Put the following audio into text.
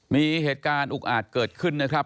มีเหตุการณ์อุกอาจเกิดขึ้นนะครับ